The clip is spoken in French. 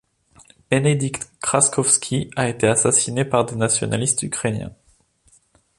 Benedykt Kraskowski a été assassiné par des nationalistes ukrainiens.